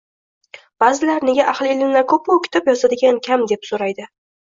Ba’zilar: “Nega ahli ilmlar ko‘p-u, kitob yozadiganlar kam?” deb so‘raydi.